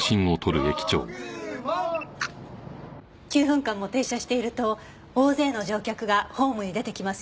９分間も停車していると大勢の乗客がホームに出てきますよね。